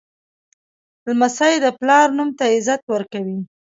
لمسی د پلار نوم ته عزت ورکوي.